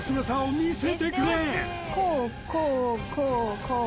こうこうこうこう